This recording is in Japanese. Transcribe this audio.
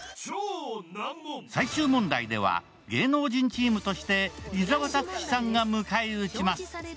最終問題では芸能人チームとして伊沢拓司さんが迎え撃ちます。